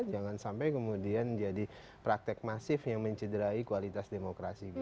jangan sampai kemudian jadi praktek masif yang mencederai kualitas demokrasi kita